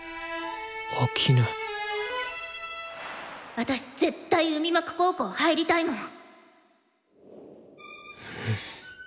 私絶対海幕高校入りたいもん！